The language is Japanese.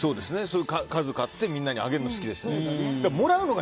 数を買ってみんなにあげるの好きです。